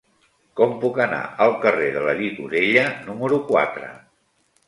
Com puc anar al carrer de la Llicorella número quatre?